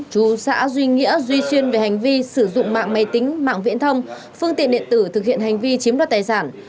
chú xã duy nghĩa duy xuyên về hành vi sử dụng mạng máy tính mạng viễn thông phương tiện điện tử thực hiện hành vi chiếm đoạt tài sản